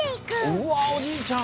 うわおじいちゃん